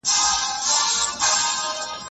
شرکت به نورې سیمې وصل کړي.